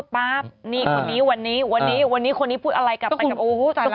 แบบไหนเขาไม่บอก